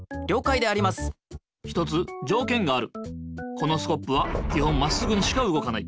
このスコップは基本まっすぐにしかうごかない。